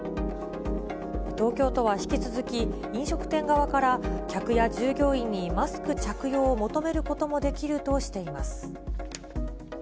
東京都は引き続き、飲食店側から客や従業員にマスク着用を求めることもできるとしています。